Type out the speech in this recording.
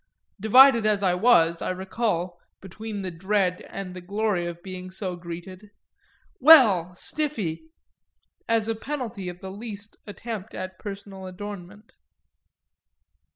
(Divided I was, I recall, between the dread and the glory of being so greeted, "Well, Stiffy !" as a penalty of the least attempt at personal adornment.)